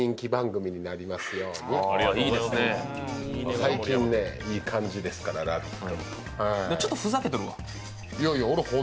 最近、いい感じですから「ラヴィット！」。